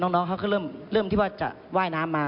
น้องเขาก็เริ่มที่ว่าจะว่ายน้ำมา